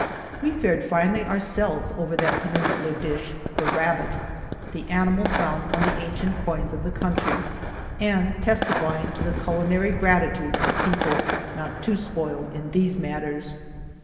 We fared finely ourselves over that penin sular dish — the rabbit — the animal found on the ancient coins of the country and testify ing to the culinary gratitude of people not too spoiled in these matters.